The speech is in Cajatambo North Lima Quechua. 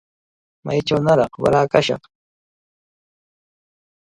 Maychawnaraq wara kashaq.